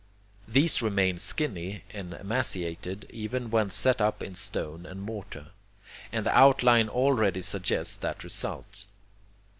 These remain skinny and emaciated even when set up in stone and mortar, and the outline already suggests that result.